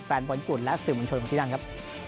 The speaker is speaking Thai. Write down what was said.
แฟนบอลกุฎและสื่อมวลชนของที่นั่นครับ